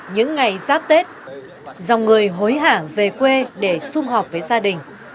những ngày giáp tết dòng người hối hả về quê để xung họp với gia đình